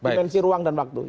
dimensi ruang dan waktu